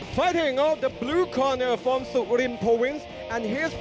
ฝ่ายของสุขริมประวัติศาสตร์สุขริมประวัติศาสตร์